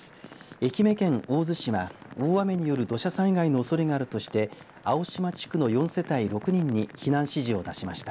愛媛県大洲市は大雨による土砂災害のおそれがあるとして青島地区の４世帯６人に避難指示を出しました。